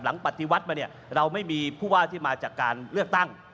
ปฏิวัติมาเนี่ยเราไม่มีผู้ว่าที่มาจากการเลือกตั้ง